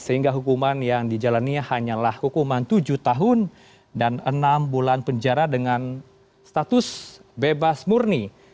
sehingga hukuman yang dijalani hanyalah hukuman tujuh tahun dan enam bulan penjara dengan status bebas murni